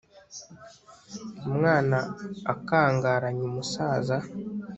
umwana akangaranye umusaza